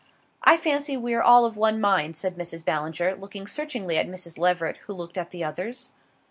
"I fancy we are all of one mind," said Mrs. Ballinger, looking searchingly at Mrs. Leveret, who looked at the others.